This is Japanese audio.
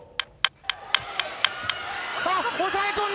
さあ、抑え込んだ！